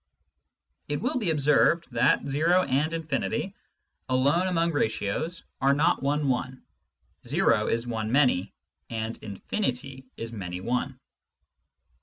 It will be observed that zero and infinity, alone among ratios, are not one one. Zero is one many, and infinity is many one.